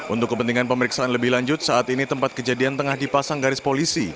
untuk kepentingan pemeriksaan lebih lanjut saat ini tempat kejadian tengah dipasang garis polisi